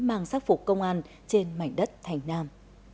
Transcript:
mang sắc phục công an trên mảnh đất thành nam